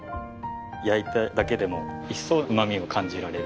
焼いただけでも一層うまみを感じられる。